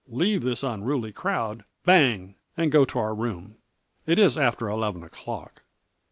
"leave this unruly crowd" bang!! "and go to our room. It is after eleven o'clock."